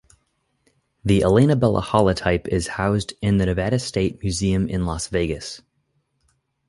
The "Elainabella" holotype is housed in the Nevada State Museum in Las Vegas.